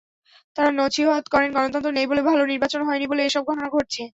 তাঁরা নছিহত করেন—গণতন্ত্র নেই বলে, ভালো নির্বাচন হয়নি বলে এসব ঘটনা ঘটছে।